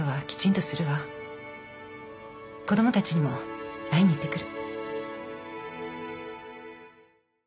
子供たちにも会いに行ってくる。